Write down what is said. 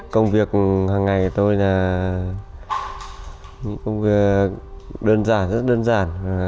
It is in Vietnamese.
công việc hằng ngày của tôi là công việc đơn giản rất đơn giản